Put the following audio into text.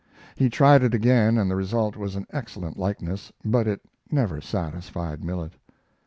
He tried it again, and the result was an excellent likeness, but it never satisfied Millet.